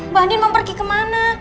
mbak nin mau pergi kemana